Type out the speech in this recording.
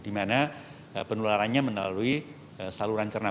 di mana penularannya melalui saluran cerna